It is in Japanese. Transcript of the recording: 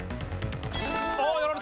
あっやられた！